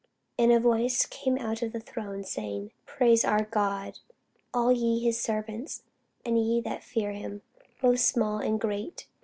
And a voice came out of the throne, saying, Praise our God, all ye his servants, and ye that fear him, both small and great.